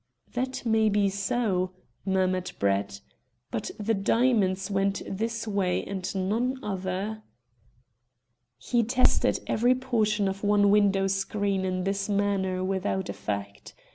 "That may be so," murmured Brett; "but the diamonds went this way and none other." He tested every portion of one window screen in this manner without effect.